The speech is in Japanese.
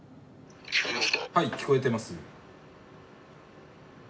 はい聞こえてます。